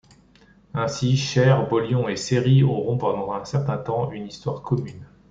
Ainsi Cheyres, Bollion et Seiry auront pendant un certain temps une histoire commune.